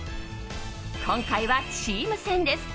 今回はチーム戦です。